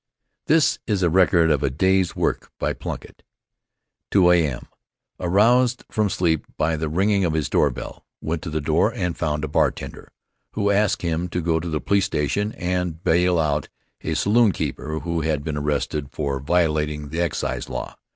This is a record of a day's work by Plunkitt: 2 A.M.: Aroused from sleep by the ringing Of his doorbell; went to the door and found a bartender, who asked him to go to the police station and ball out a saloon keeper who had been arrested for violating the excise law.